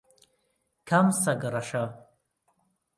کام سەگ ڕەشە؟